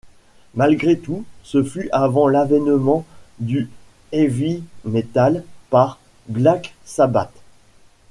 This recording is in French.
Malgré tout, ce fut avant l'avènement du heavy metal par Black Sabbath.